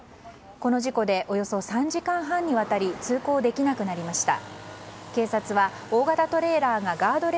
この事故でおよそ３時間半にわたり通行できなくなりました。